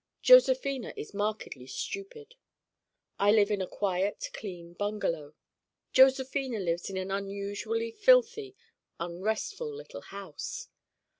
Josephina is markedly stupid. I live in a quiet clean bungalow. Josephina lives in an unusually filthy unrestful little house.